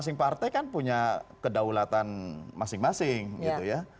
kita kan punya kedaulatan masing masing gitu ya